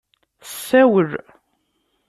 Tessawel.